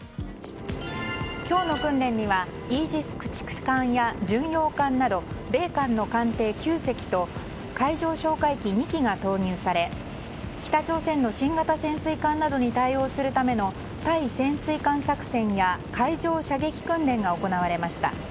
今日の訓練にはイージス駆逐艦や巡洋艦など米韓の艦艇９隻と海上哨戒機２機が投入され北朝鮮の新型潜水艦などに対応するための対潜水艦作戦や海上射撃訓練が行われました。